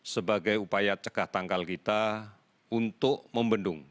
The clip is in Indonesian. sebagai upaya cegah tanggal kita untuk membendung